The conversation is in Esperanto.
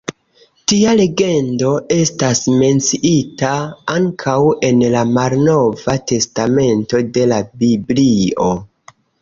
Tia legendo estas menciita ankaŭ en la Malnova Testamento de la Biblio.